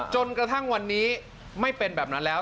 จนกระทั่งวันนี้ไม่เป็นแบบนั้นแล้ว